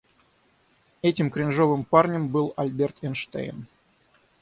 Этим кринжовым парнем был Альберт Эйнштейн.